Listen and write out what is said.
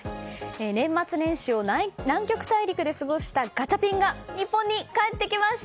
年末年始を南極大陸で過ごしたガチャピンが日本に帰ってきました。